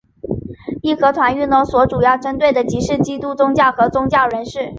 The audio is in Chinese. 义和团运动所主要针对的即是基督宗教的宗教人士。